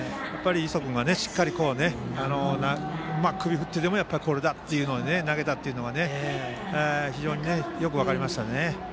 磯君がしっかり首振ってでもこれだ！というのを投げたっていうことが非常によく分かりましたね。